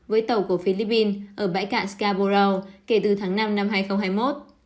với tàu của philippines ở bãi cạn scaboro kể từ tháng năm năm hai nghìn hai mươi một